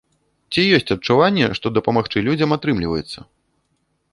Ці ёсць адчуванне, што дапамагчы людзям атрымліваецца?